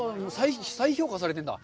再評価されてるんだ。